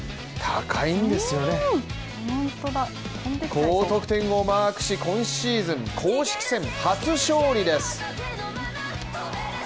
高得点をマークし今シーズン公式戦初勝利です。